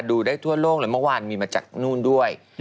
ดูได้ทั่วโลกเลยเมื่อวานมีมาจากนู่นด้วย